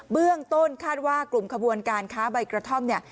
เบื้องต้นคาดว่ากลุ่มขบวนการค้าใบกระท่อมเนี่ย